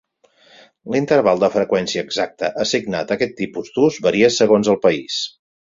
L'interval de freqüència exacte assignat a aquest tipus d'ús varia segons el país.